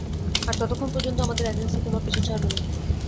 আর ততক্ষণ পর্যন্ত, আমাদের এজেন্সি তোমার পিছু ছাড়বে না।